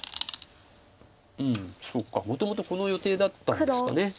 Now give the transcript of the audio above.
そうかもともとこの予定だったんですか。